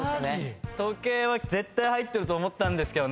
「時計」は絶対入ってると思ったんですけどね。